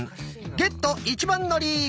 ゲット一番乗り！